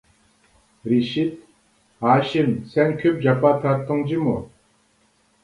رىشىت: ھاشىم سەن كۆپ جاپا تارتتىڭ جۇمۇ.